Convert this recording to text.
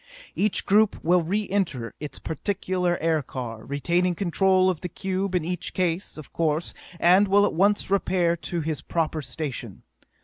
Each group will re enter its particular aircar, retaining control of the cube in each case, of course, and will at once repair to his proper station.